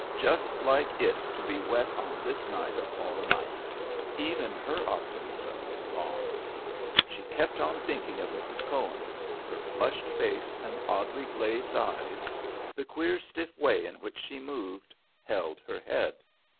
just like it to be wet on this night of all nights! Even her optimism was gone. She kept on thinking of Mrs. Cohen, her flushed face and oddly glazed eyes; the queer stiff way in which she moved, held her head.